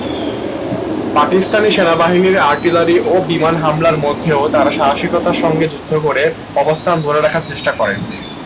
পাকিস্তানি সেনাবাহিনীর আর্টিলারি ও বিমান হামলার মধ্যেও তারা সাহসিকতার সঙ্গে যুদ্ধ করে অবস্থান ধরে রাখার চেষ্টা করেন।